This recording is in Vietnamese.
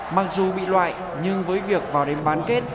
mặc dù bị loại nhưng với việc vào đêm bán kết